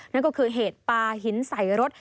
นั่นก็คือเหตุปลาหินใส่รถ